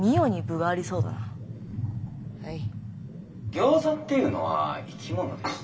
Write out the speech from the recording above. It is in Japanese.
「ギョーザっていうのは生き物でして」。